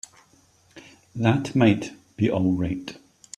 That might be all right.